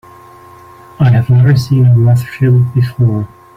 I have never seen a Rothschild before.